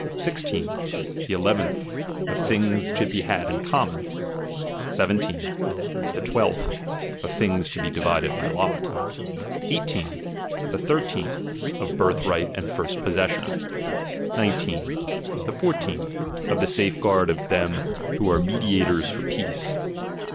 16. The eleventh, «f things to be had in common. 17 The twelfth, of things to be divided by lot. 18. The thirteenth, of birthright and itrst possession. 19. The fourteenth, of the safeguard of them who are mediators for peace.